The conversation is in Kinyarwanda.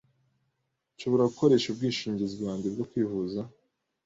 Nshobora gukoresha ubwishingizi bwanjye bwo kwivuza?